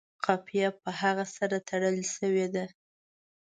قافیه په هغه سره تړلې شوې ده.